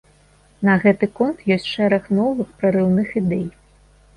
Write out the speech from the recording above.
На гэты конт ёсць шэраг новых прарыўных ідэй.